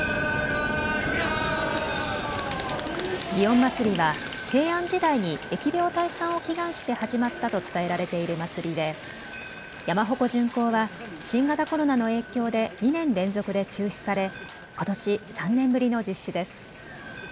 祇園祭は平安時代に疫病退散を祈願して始まったと伝えられている祭りで山鉾巡行は新型コロナの影響で２年連続で中止されことし３年ぶりの実施です。